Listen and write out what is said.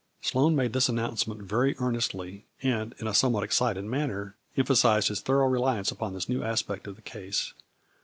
Sloane made this announcement very earn estly, and, in a somewhat excited manner, em phasized his thorough reliance upon this new aspect of the case.